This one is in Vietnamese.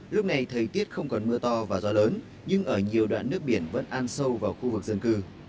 lúc này thời tiết không còn mưa to và gió lớn nhưng ở nhiều đoạn nước biển vẫn an sâu vào khu vực dân cư